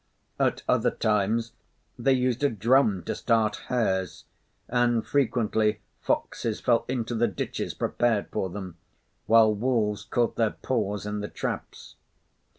At other times they used a drum to start hares; and frequently foxes fell into the ditches prepared for them, while wolves caught their paws in the traps.